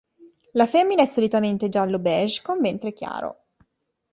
La femmina è solitamente giallo beige, con ventre chiaro.